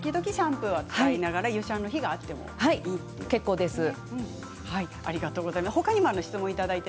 時々シャンプーを使いながら湯シャンの日があってもいいということですね。